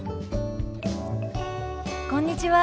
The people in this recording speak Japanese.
こんにちは。